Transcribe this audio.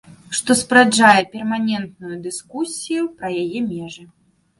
Што спараджае перманентную дыскусію пра яе межы.